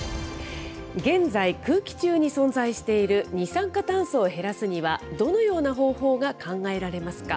現在、空気中に存在している二酸化炭素を減らすには、どのような方法が考えられますか。